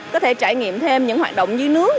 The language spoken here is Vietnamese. có thể trải nghiệm thêm những hoạt động dưới nước